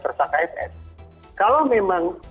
persang kfs kalau memang